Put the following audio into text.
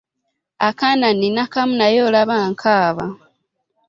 Akaana nnina kamu naye olaba nkaaba!